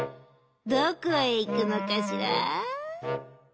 どこへいくのかしら？」。